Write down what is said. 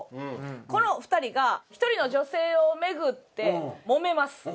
この２人が１人の女性をめぐってもめます。